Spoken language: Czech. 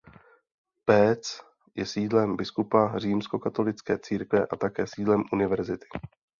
Pécs je sídlem biskupa římskokatolické církve a také sídlem univerzity.